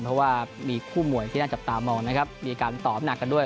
เพราะว่ามีคู่มวยที่น่าจับตามองนะครับมีการตอบหนักกันด้วย